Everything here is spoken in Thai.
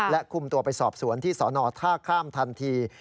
และคุมตัวไปสอบสวนที่สนท่าข้ามทันที